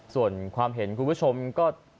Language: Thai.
ส่วนความเห็นคุณผู้ชมก็